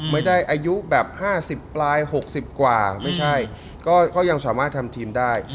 ไม่ได้อายุแบบ๕๐ปลาย๖๐กว่าไม่ใช่ก็ยังสามารถทำทีมได้